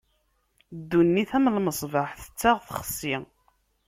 Ddunit am lmesbeḥ, tettaɣ, txessi.